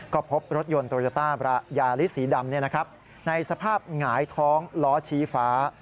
ก็พบรถยนต์โตโยต้ายาลิสสีดำในสภาพหงายท้องล้อชี้ฟ้า